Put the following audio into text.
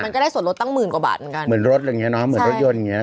ก็ได้ส่วนลดตั้งหมื่นกว่าบาทเหมือนกันเหมือนรถอะไรอย่างเงี้เนอะเหมือนรถยนต์อย่างเงี้